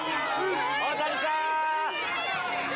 大谷さーん！